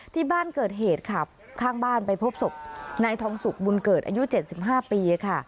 ที่เกิดเหตุค่ะข้างบ้านไปพบศพนายทองสุกบุญเกิดอายุ๗๕ปีค่ะ